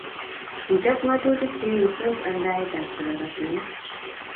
Kichop ngatutik che eesio aldaetab kibagasinik